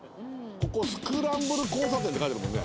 ここスクランブル交差点って書いてあるもんね。